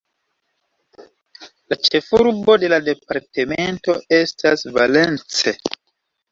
La ĉefurbo de la departemento estas Valence.